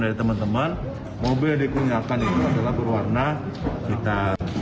mobil dikunyakan itu adalah berwarna hitam